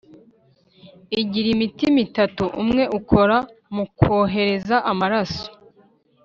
igira imitima itatu umwe ukora mu kohereza amaraso